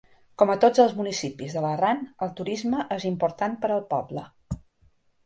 Com a tots els municipis de l'Arran, el turisme és important per al poble.